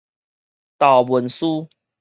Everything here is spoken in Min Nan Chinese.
投文書